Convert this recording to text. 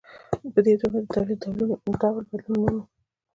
په دې توګه د تولید ډول بدلون مومي.